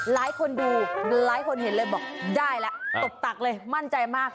หลายคนดูหลายคนเห็นเลยบอกได้แล้วตบตักเลยมั่นใจมาก